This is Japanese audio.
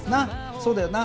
そうだよな？